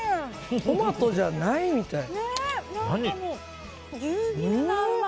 トマトじゃないみたい。